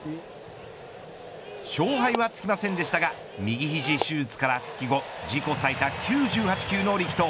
勝敗はつきませんでしたが右肘手術から復帰後、自己最多９８球の力投。